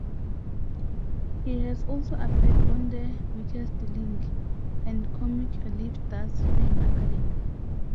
He has also appeared on "The Weakest Link" and Comic Relief does Fame Academy.